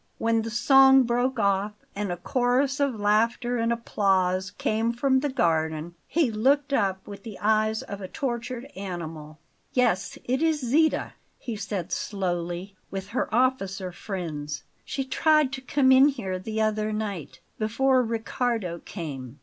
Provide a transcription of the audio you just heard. When the song broke off and a chorus of laughter and applause came from the garden, he looked up with the eyes of a tortured animal. "Yes, it is Zita," he said slowly; "with her officer friends. She tried to come in here the other night, before Riccardo came.